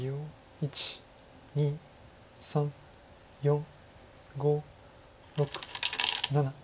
１２３４５６７。